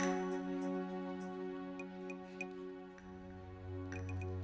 ya ya gak